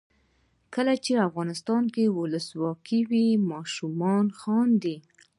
کله چې افغانستان کې ولسواکي وي ماشومان خاندي.